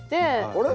あれ？